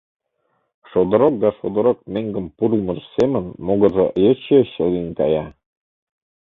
Шодырок да шодырок меҥгым пурлмыж семын могыржо йыч-йыч лийын кая.